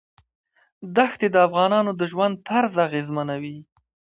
دښتې د افغانانو د ژوند طرز اغېزمنوي.